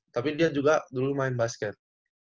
tapi dia juga dulu main basket